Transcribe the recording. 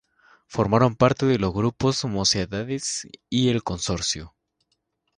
Formaron parte de los grupos Mocedades y El Consorcio.